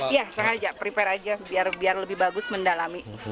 iya sengaja prepare aja biar lebih bagus mendalami